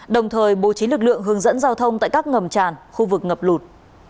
đồng thời bố trí lực lượng hướng dẫn giao thông tại các ngầm tràn khu vực ngập lụt